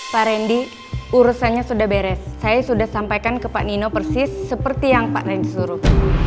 pak randy urusannya sudah beres saya sudah sampaikan ke pak nino persis seperti yang pak nendi disuruh